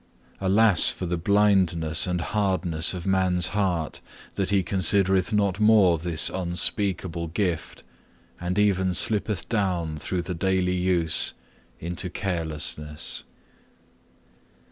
Alas for the blindness and hardness of man's heart, that he considereth not more this unspeakable gift, and even slippeth down through the daily use, into carelessness.